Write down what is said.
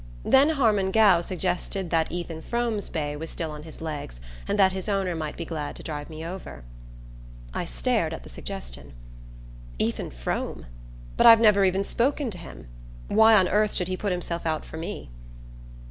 Then Harmon Gow suggested that Ethan Frome's bay was still on his legs and that his owner might be glad to drive me over. I stared at the suggestion. "Ethan Frome? But I've never even spoken to him. Why on earth should he put himself out for me?"